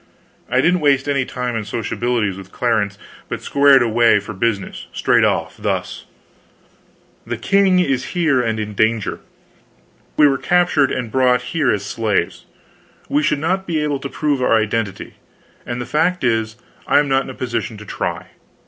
I didn't waste any time in sociabilities with Clarence, but squared away for business, straight off thus: "The king is here and in danger. We were captured and brought here as slaves. We should not be able to prove our identity and the fact is, I am not in a position to try.